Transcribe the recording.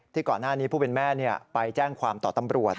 ก่อนหน้านี้ผู้เป็นแม่ไปแจ้งความต่อตำรวจ